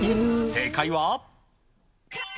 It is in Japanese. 正解は。